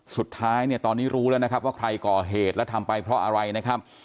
สุดท้ายเนี่ยตอนนี้รู้แล้วนะครับว่าใครก่อเหตุแล้วทำไปเพราะอะไรนะครับ